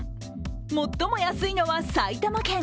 最も安いのは、埼玉県。